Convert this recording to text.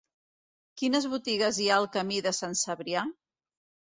Quines botigues hi ha al camí de Sant Cebrià?